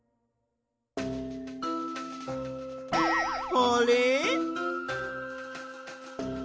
あれ？